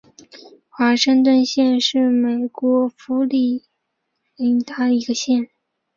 华盛顿县是美国佛罗里达州西北部的一个县。